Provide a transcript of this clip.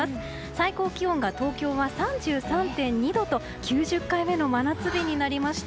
最高気温が東京は３３．２度と９０回目の真夏日になりました。